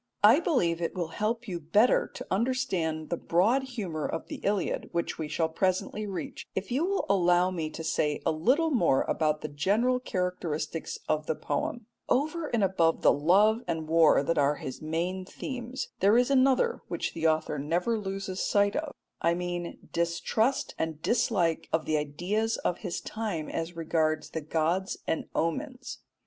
I believe it will help you better to understand the broad humour of the Iliad, which we shall presently reach, if you will allow me to say a little more about the general characteristics of the poem. Over and above the love and war that are his main themes, there is another which the author never loses sight of I mean distrust and dislike of the ideas of his time as regards the gods and omens.